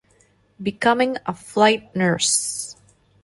Becoming a flight nurse.